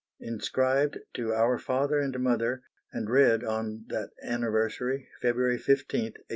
Inscribed to OUR FATHER AND MOTHER, and read on that Anniversary, FEBRUARY 15TH, 1876.